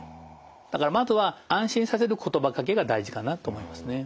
だからまずは安心させる言葉かけが大事かなと思いますね。